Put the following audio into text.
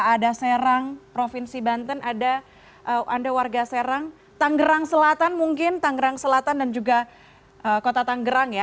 ada serang provinsi banten ada anda warga serang tanggerang selatan mungkin tangerang selatan dan juga kota tanggerang ya